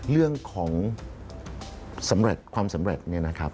เรื่องของสำเร็จความสำเร็จเนี่ยนะครับ